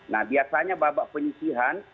nah biasanya babak penyisihan